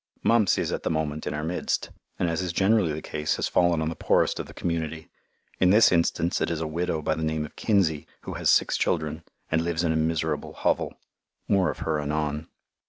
Mumps is at the moment in our midst, and as is generally the case has fallen on the poorest of the community. In this instance it is a widow by the name of Kinsey, who has six children, and lives in a miserable hovel. More of her anon.